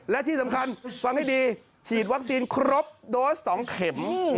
และที่สำคัญฟังให้ดีฉีดวัคซีนครบโดส๒เข็ม